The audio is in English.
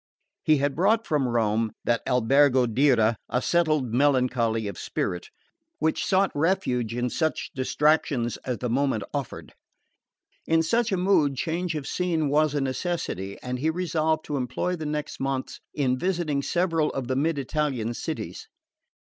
He had brought from Rome that albergo d'ira a settled melancholy of spirit, which sought refuge in such distractions as the moment offered. In such a mood change of scene was a necessity, and he resolved to employ the next months in visiting several of the mid Italian cities.